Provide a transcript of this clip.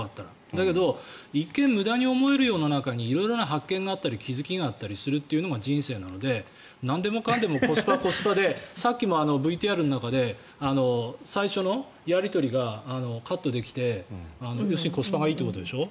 だけど一見無駄に思えるような中に色々な発見があったり気付きがあったりするというのが人生なのでなんでもかんでもコスパコスパでさっきもＶＴＲの中で最初のやり取りがカットできて要するにコスパがいいということでしょ。